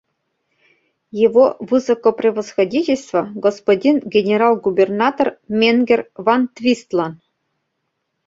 “Его высокопревосходительство господин генерал-губернатор менгер Ван-Твистлан...”